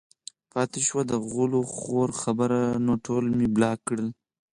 پاتې شوه د غول خورو خبره نو ټول مې بلاک کړل